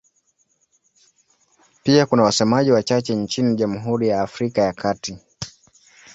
Pia kuna wasemaji wachache nchini Jamhuri ya Afrika ya Kati.